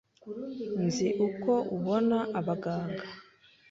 Nzi uko ubona abaganga.